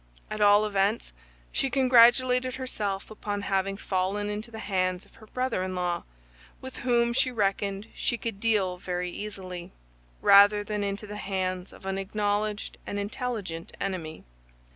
At all events, she congratulated herself upon having fallen into the hands of her brother in law, with whom she reckoned she could deal very easily, rather than into the hands of an acknowledged and intelligent enemy.